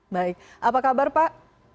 baik apa kabar pak